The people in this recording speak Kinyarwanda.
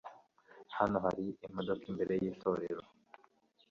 Hano hari imodoka imbere yitorero.